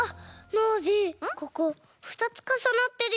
ノージーここふたつかさなってるよ。